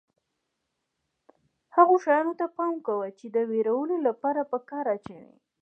هغو شیانو ته پام کوه چې د وېرولو لپاره یې په کار اچوي.